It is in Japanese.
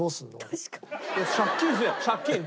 確かに。